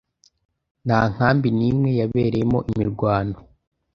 nta nkambi n’imwe yabereyemo imirwano,